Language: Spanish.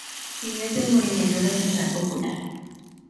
Líder del Movimiento Nacional Popular.